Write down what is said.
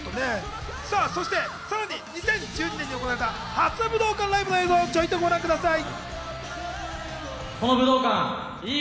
そして、さらに２０１２年に行われた初武道館ライブの映像をちょいとご覧ください。